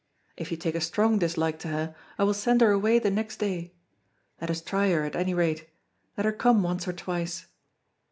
If you take a strong dislike to her, I will send her away the next day. Let us try her at any rate. Let her come once or twice."